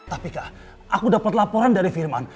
tapi kak aku dapat laporan dari firman